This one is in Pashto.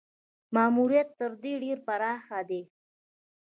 ماموریت تر دې ډېر پراخ دی.